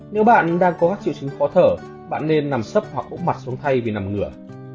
nếu bạn đang có các triệu chứng khó thở bạn nên nằm sấp hoặc úc mặt xuống thay vì nằm ngửa